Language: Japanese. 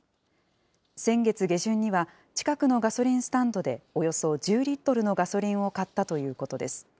先月下旬には、近くのガソリンスタンドでおよそ１０リットルのガソリンを買ったということです。